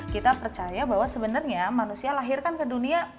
kita percaya bahwa sebenarnya manusia lahir kan ke dunia